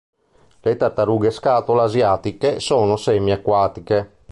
Le tartarughe scatola asiatiche sono semi-acquatiche.